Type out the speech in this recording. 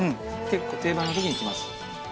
結構定番の時に来ます